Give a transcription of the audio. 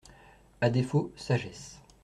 À défaut, sagesse.